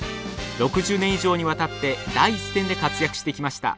６０年以上にわたって第一線で活躍してきました。